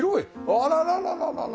あらららららら！